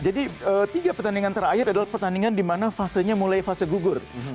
jadi tiga pertandingan terakhir adalah pertandingan di mana fasenya mulai fase gugur